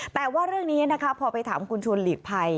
แต่ว่าเรื่องนี้นะคะพอไปถามคุณชวนหลีกภัย